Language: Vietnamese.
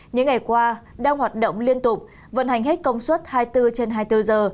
những ngày qua đang hoạt động liên tục vận hành hết công suất hai mươi bốn trên hai mươi bốn giờ